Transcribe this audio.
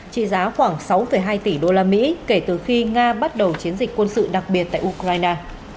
trị giá khoảng sáu hai tỷ usd kể từ khi nga bắt đầu chiến dịch quân sự đặc biệt tại ukraine